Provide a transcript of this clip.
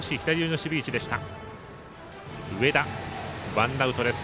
ワンアウトです。